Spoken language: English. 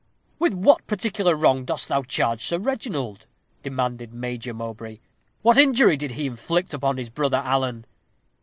"With what particular wrong dost thou charge Sir Reginald?" demanded Major Mowbray. "What injury did he inflict upon his brother Alan?"